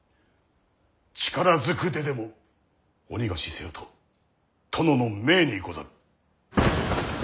力ずくででもお逃がしせよと殿の命にござる。